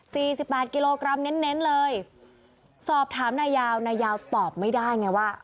สี่สิบบาทกิโลกรัมเน้นเลยสอบถามนายยาวนายยาวตอบไม่ได้ไงว่า